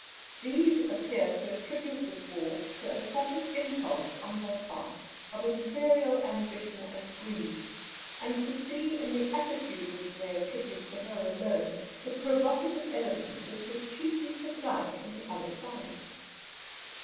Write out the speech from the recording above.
These appear to attribute this war to a sudden impulse on her part of Imperial ambition and greed, and to see in the attitude which they attribute to her alone, the provocative element which was chiefly supplied from the other side.